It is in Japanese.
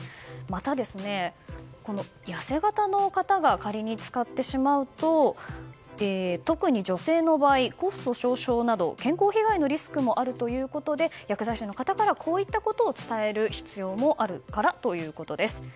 また、痩せ形の方が仮に使ってしまうと特に女性の場合、骨粗鬆症など健康被害のリスクもあるということで薬剤師の方からこういったことを伝える必要があるからということです。